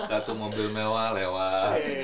satu mobil mewah lewat